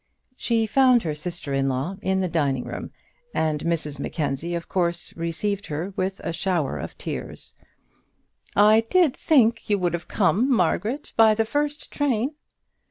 She found her sister in law in the dining room, and Mrs Mackenzie, of course, received her with a shower of tears. "I did think you would have come, Margaret, by the first train."